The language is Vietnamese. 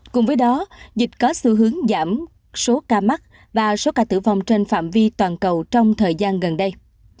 cùng với đó dịch có xu hướng giảm số ca mắc và số ca tử vong trên phạm vi toàn cầu trong thời gian gần đây